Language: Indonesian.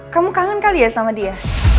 kamu kangen kali ya sama dia